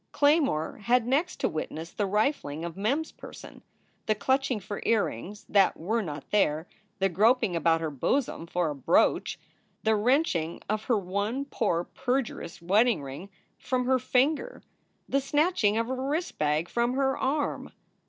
Claymore had next to witness the rifling of Mem s person, the clutching for earrings that were not there, the groping about her bosom for a brooch, the wrenching of her one poor perjurous wedding ring from her finger, the snatching of her wrist bag from her arm.